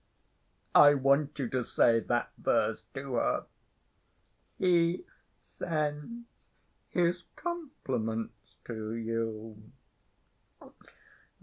I want you to say that verse to her: 'He sends his compliments to you.